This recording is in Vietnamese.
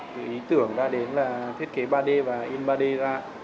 từ ý tưởng ra đến là thiết kế ba d và in ba d ra